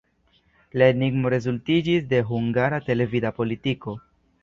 La enigmo rezultiĝis de hungara televida politiko.